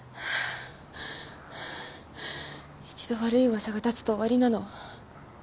一度悪い噂が立つと終わりなの。